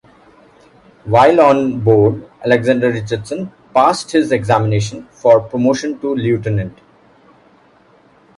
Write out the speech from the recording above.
While on board "Alexander" Richardson passed his examination for promotion to lieutenant.